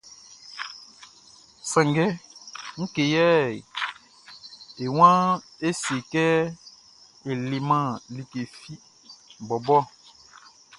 Sanngɛ ngue yɛ e waan é sé kɛ e leman like fi bɔbɔ ɔ?